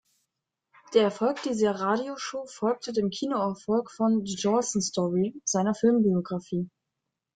Der Erfolg dieser Radioshow folgte dem Kinoerfolg von "The Jolson Story", seiner Filmbiographie.